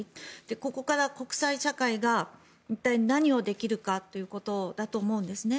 ここから国際社会が一体何をできるかということだと思うんですね。